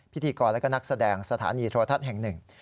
พิธีกรและก็นักแสดงสถานีโทรทัศน์แห่งหนึ่ง